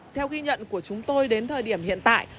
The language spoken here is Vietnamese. theo ghi nhận của chúng tôi đến thời điểm hiện tại